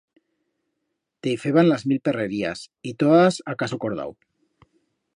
Te i feban las mil perrerías y todas a caso cordau.